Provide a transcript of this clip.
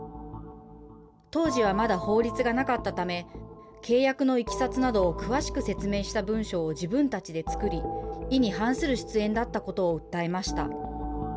当時はまだ法律がなかったため、契約のいきさつなどを詳しく説明した文書を自分たちで作り、意に反する出演だったことを訴えました。